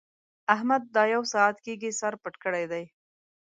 احمد له دا يو ساعت کېږي سر پټ کړی دی.